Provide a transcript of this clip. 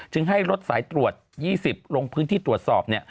ให้รถสายตรวจ๒๐ลงพื้นที่ตรวจสอบ